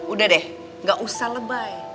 udah deh gak usah lebay